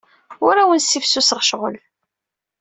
Ur awent-ssifsuseɣ ccɣel.